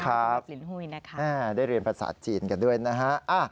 ครับได้เรียนภาษาจีนกันด้วยนะฮะ